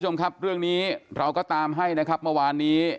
คุณผู้ชมครับเรื่องนี้เราก็ตามให้นะครับเมื่อวานนี้